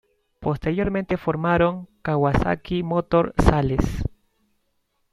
Posteriormente formaron Kawasaki Motor Sales.